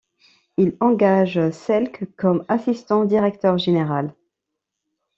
Il engage Selke comme assistant directeur-général.